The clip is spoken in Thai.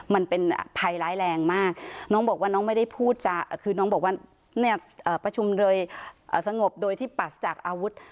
มันเป็นภัยร้ายแรงมากน้องบอกว่าน้องไม่ได้พูดจะคือน้องบอกว่าเนี่ยประชุมโดยสงบโดยที่ปรัสจากอาวุธ